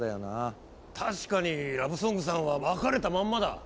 確かにラブソングさんは分かれたまんまだ。